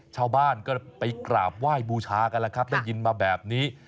ชาวบ้านก็ไปกราบไหว้บูชากันแล้วครับได้ยินมาแบบนี้